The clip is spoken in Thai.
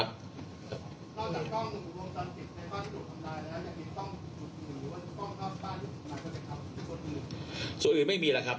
ใครบ้านที่ต้องทำมาติแล้วนะอย่างนี้ต้องหรือว่าต้องเข้าที่บ้านอยู่ที่บ้านก็ได้ครับ